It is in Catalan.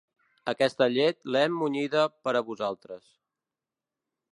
Aquesta llet, l'hem munyida per a vosaltres.